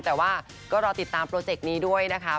แต่ว่าก็รอติดตามโปรเจกต์นี้ด้วยนะคะ